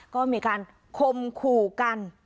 ก็มีการคมขู่กัน